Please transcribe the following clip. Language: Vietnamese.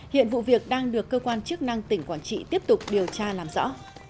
hiện vụ việc đang được cơ quan chức năng tỉnh quảng trị tiếp tục điều tra làm rõ